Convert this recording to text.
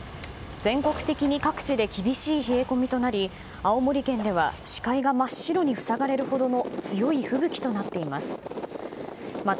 全国的に各地で厳しい冷え込みとなり青森県では視界が真っ白に塞がれるほどの強い吹雪となっています。